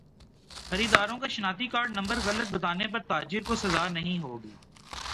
خریداروں کا شناختی کارڈ نمبر غلط بتانے پر تاجر کو سزا نہیں ہوگی